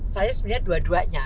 saya sebenarnya dua duanya